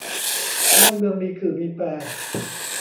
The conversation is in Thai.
บ้านเมืองมีขื่อมีแป